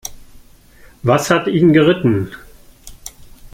Was hat ihn geritten?